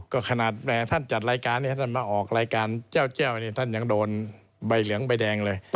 ก็ขนาดท่านจัดรายการนี้ท่านมาออกรายการเจ้าเนี่ยท่านยังโดนใบเหลืองใบแดงเลย